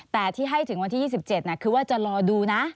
แต่ที่ให้ถึงวันที่๒๗คือว่าจะรอดูนะ